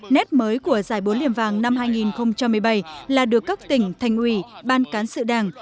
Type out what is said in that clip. nét mới của giải bốn liềm vàng năm hai nghìn một mươi bảy là được các tỉnh thành ủy ban cán sự đảng